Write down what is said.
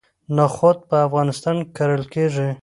نخود په افغانستان کې کرل کیږي.